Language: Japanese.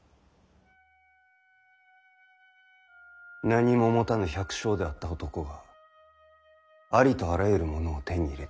何も持たぬ百姓であった男がありとあらゆるものを手に入れてきた。